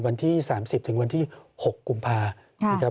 วันที่๓๐ถึงวันที่๖กุมภานะครับ